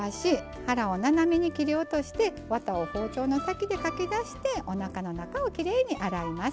腹を斜めに切り落としてわたを包丁の先でかき出しておなかの中をきれいに洗います。